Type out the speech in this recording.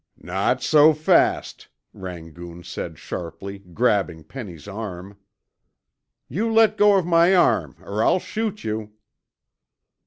"Not so fast," Rangoon said sharply, grabbing Penny's arm. "You let go of my arm, or I'll shoot you."